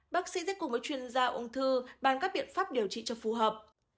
bác sĩ sẽ cùng với chuyên gia ung thư bàn các biện pháp điều trị cho phù hợp